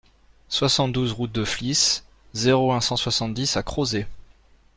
soixante-douze route de Flies, zéro un, cent soixante-dix à Crozet